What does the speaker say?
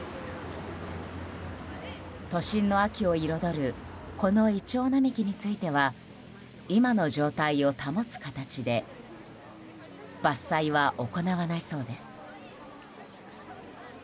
都心の秋を彩るこのイチョウ並木については今の状態を保つ形で伐採は行わないそうです。